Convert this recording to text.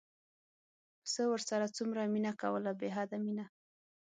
پسه ورسره څومره مینه کوله بې حده مینه.